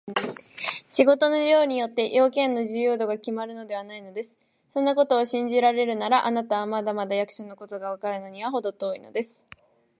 仕事の量によって、用件の重要度がきまるのではないのです。そんなことを信じられるなら、あなたはまだまだ役所のことがわかるのにはほど遠いのです。